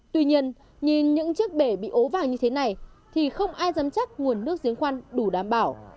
tuy nhiên nhìn những chiếc bể bị ố vào như thế này thì không ai dám chắc nguồn nước giếng khoan đủ đảm bảo